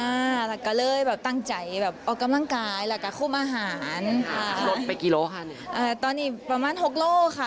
อ่าแบบกะเลยแบบตั้งใจแบบเอากำลังกายหรือแบบกะคุมอาหารค่ะตอนนี้ประมาณหกโลข้ะ